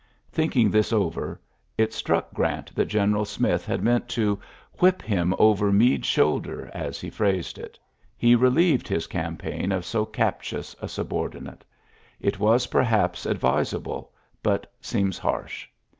Thinking this over, it struck Grant that Gteneral Smith had meant to ''whip him over Meade's shoulder," as he phrased it. He relieved his campaign of so captious a subordinate. It was, I)erhaps, advisable, but seems harsh.